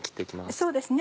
そうですね。